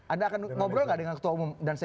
anda akan ngobrol nggak dengan ketua umum dan sekjen